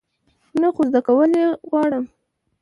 نه، خو زده کول یی غواړم